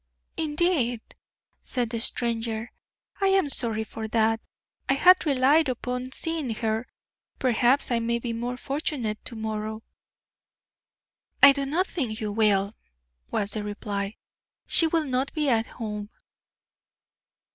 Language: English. "Indeed!" said the stranger. "I am sorry for that; I had relied upon seeing her. Perhaps I may be more fortunate to morrow." "I do not think you will," was the reply; "she will not be at home."